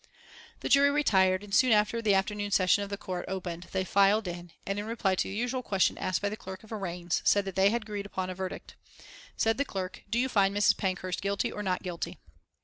The jury retired, and soon after the afternoon session of the court opened they filed in, and in reply to the usual question asked by the clerk of arraigns, said that they had agreed upon a verdict. Said the clerk: "Do you find Mrs. Pankhurst guilty or not guilty?"